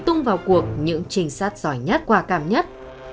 tung vào cuộc những trình sát giỏi nhất quà càm nhất